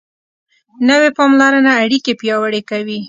نوې پاملرنه اړیکې پیاوړې کوي